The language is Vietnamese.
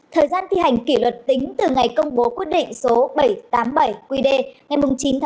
thời gian thi hành kỷ luật tính từ ngày công bố quyết định số bảy trăm tám mươi bảy qd ngày chín một mươi một hai nghìn hai mươi hai